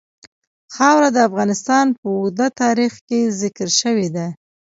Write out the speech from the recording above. خاوره د افغانستان په اوږده تاریخ کې ذکر شوی دی.